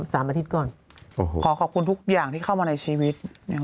สามอาทิตย์ก่อนโอ้โหขอขอบคุณทุกอย่างที่เข้ามาในชีวิต